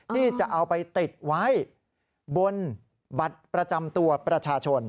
ที่จะเอาไปติดไว้บนบัตรประจำตัวประชาชน